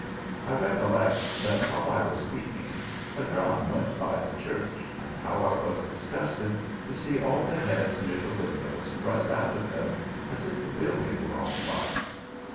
I recollect that while I was speaking a drum went by the church, and how I was disgusted to see all the heads near the windows thrust out of them, as if the building were on fire.